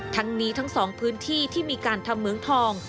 ทั้งนี้ทั้งสองพื้นที่ที่มีการทำเหมืองทอง